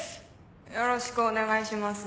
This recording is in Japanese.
よろしくお願いします。